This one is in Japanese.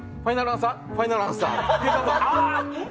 ファイナルアンサーって。